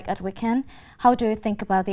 gần như không thể